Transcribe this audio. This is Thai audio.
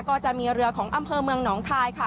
ก็จะมีเรือของอำเภอเมืองหนองคายค่ะ